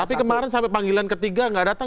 tapi kemarin sampai panggilan ketiga nggak datang